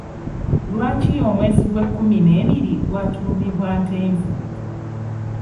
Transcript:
Lwaki omwezi gw'ekkumi n'ebiri gwatuumibwa Ntenvu?